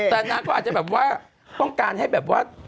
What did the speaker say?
แต่นางก็อาจจะแบบว่าต้องการให้แบบว่า